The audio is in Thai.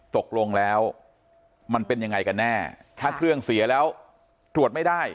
ตกลงแล้วมันเป็นยังไงกันแน่ถ้าเครื่องเสียแล้วตรวจไม่ได้